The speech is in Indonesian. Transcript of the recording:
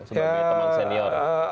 sebagai teman senior